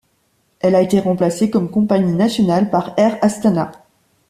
Elle a été remplacée comme compagnie nationale par Air Astana.